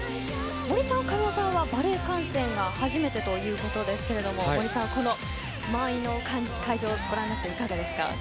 森さん、神尾さんはバレー観戦初めてということですけれども満員の会場をご覧になっていかがですか。